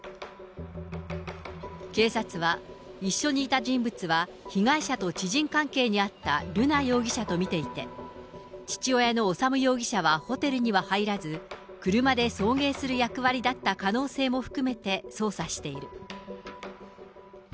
警察は、一緒にいた人物は被害者と知人関係にあった瑠奈容疑者と見ていて、父親の修容疑者はホテルには入らず、車で送迎する役割だった可能性も含めて捜査している。